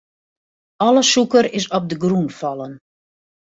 Alle sûker is op de grûn fallen.